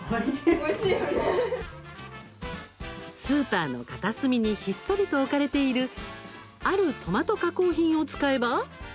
スーパーの片隅にひっそりと置かれているあるトマト加工品を使えば。